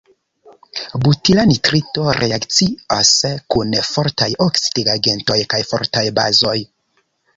Butila nitrito reakcias kun fortaj oksidigagentoj kaj fortaj bazoj.